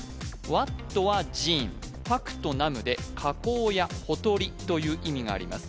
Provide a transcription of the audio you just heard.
「ワット」は「寺院」「パク」と「ナム」で「河口」や「ほとり」という意味があります